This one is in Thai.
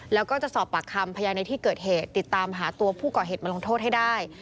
แล้วก็จะสอบปากคำพยานในที่เกิดเหตุติดตามหาตัวผู้ก่อเหตุมาลงโทษให้ได้